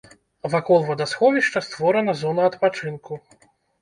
Вакол вадасховішча створана зона адпачынку.